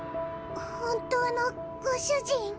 本当のご主人？